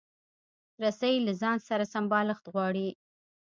رسۍ له ځان سره سمبالښت غواړي.